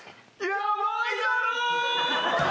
ヤバいだろ！